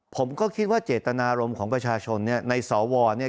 ผมก็คิดว่าเจตนารมณ์ของประชาชนเนี่ยในสวเนี่ย